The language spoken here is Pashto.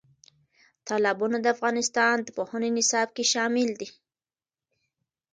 تالابونه د افغانستان د پوهنې نصاب کې شامل دي.